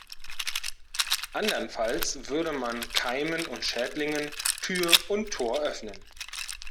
Andernfalls würde man Keimen und Schädlingen Tür und Tor öffnen.